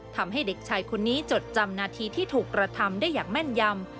ทำให้เด็กชายคนนี้จดจำนาทีที่ถูกกระทำได้อย่างแม่นยำ